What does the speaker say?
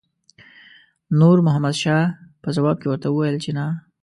نور محمد شاه په ځواب کې ورته وویل چې نه.